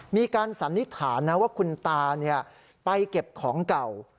สันนิษฐานนะว่าคุณตาไปเก็บของเก่า